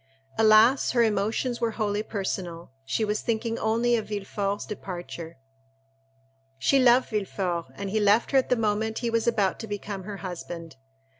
Alas, her emotions were wholly personal: she was thinking only of Villefort's departure. She loved Villefort, and he left her at the moment he was about to become her husband.